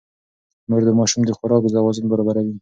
مور د ماشوم د خوراک توازن برابروي.